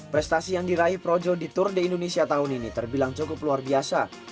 prestasi yang diraih projo di tour de indonesia tahun ini terbilang cukup luar biasa